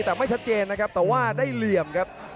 แต่ไม่ชัดเจนนะครับแต่ว่าได้เหลี่ยมครับ